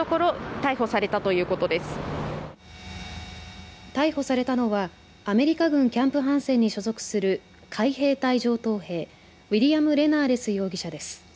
逮捕されたのはアメリカ軍キャンプハンセンに所属する海兵隊上等兵ウィリアム・レナーレス容疑者です。